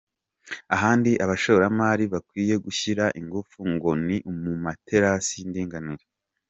Ahandi abashoramari bakwiye gushyira ingufu ngo ni mu materasi y’indinganire.